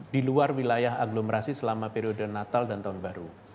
di luar wilayah aglomerasi selama periode natal dan tahun baru